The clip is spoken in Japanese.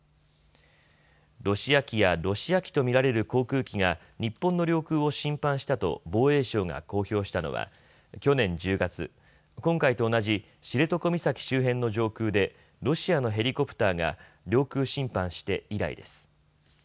ロシア機やロシア機と見られる航空機が日本の領空を侵犯したと防衛省が公表したのは去年１０月、今回と同じ知床岬周辺の上空でロシアのヘリコプターが領空侵犯して以来です。